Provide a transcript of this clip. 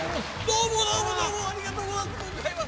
どうもどうもどうもありがとうございます。